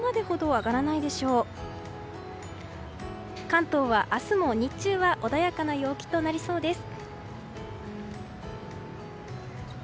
関東は明日も日中は穏やかな陽気となりそうです。